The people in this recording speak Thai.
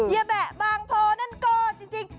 เฮียแบ๊ะบางโพดนั่นก็จริง